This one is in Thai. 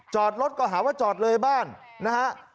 จอดรถก็หาว่าจอดเลยบ้านนะฮะ